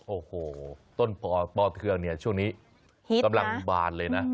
โอ้โหต้นปอเทืองเนี่ยช่วงนี้กำลังบานเลยนะ